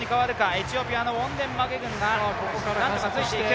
エチオピアのウォンデンマゲグンがなにとかついていく。